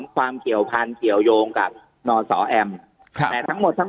ความเกี่ยวพันธุ์เกี่ยวยงกับนสแอมแต่ทั้งหมดทั้ง